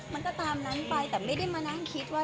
มันก็ตามนั้นไปแต่ไม่ได้มานั่งคิดว่า